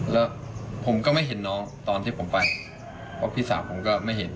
แล้วผมก็ไม่เห็นน้องตอนที่ผมไปเพราะพี่สาวผมก็ไม่เห็น